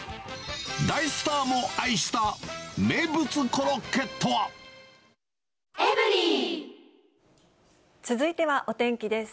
大スターも愛した名物コロッ続いてはお天気です。